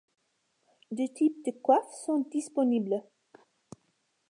Deux types de coiffe sont disponibles.